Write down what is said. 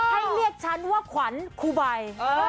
ให้เรียกฉันว่าขวัญครูใบ